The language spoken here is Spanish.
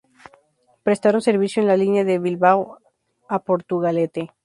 Prestaron servicio en la línea de Bilbao a Portugalete.